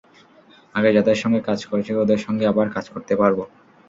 আগে যাদের সঙ্গে কাজ করেছি, ওদের সঙ্গে আবার কাজ করতে পারব।